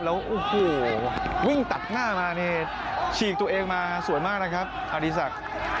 แล้วโอ้โหวิ่งตัดหน้ามานี่ฉีกตัวเองมาสวยมากนะครับอดีศักดิ์